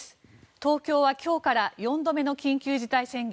東京は今日から４度目の緊急事態宣言。